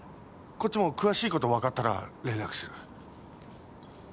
こっちも詳しいこと分かったら連絡する。